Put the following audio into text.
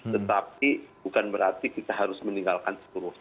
tetapi bukan berarti kita harus meninggalkan seluruhnya